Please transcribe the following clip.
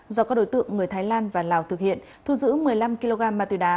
do các đối tượng người thái lan và lào thực hiện thu giữ một mươi năm kg ma túy đá